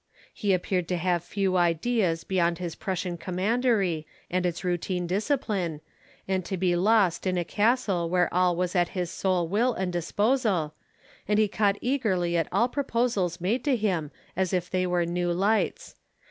He appeared to have few ideas beyond his Prussian commandery and its routine discipline, and to be lost in a castle where all was at his sole will and disposal, and he caught eagerly at all proposals made to him as if they were new lights.